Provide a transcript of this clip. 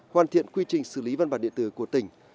hoàn thiện quy trình xử lý văn bản điện tử của tỉnh